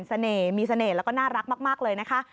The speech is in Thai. เสน่ห์มีเสน่ห์แล้วก็น่ารักมากเลยนะคะ